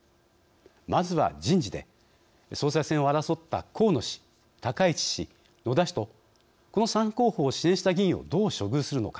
まずは人事で総裁選を争った河野氏高市氏野田氏とこの３候補を支援した議員をどう処遇するのか。